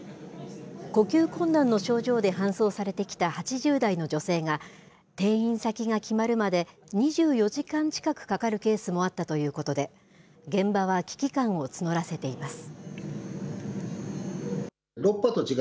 呼吸困難の症状で搬送されてきた８０代の女性が、転院先が決まるまで２４時間近くかかるケースもあったということで、現場は危機感を募らせています。